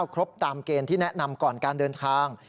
ครบตามเกณฑ์ที่แนะนำก่อนการเดินทาง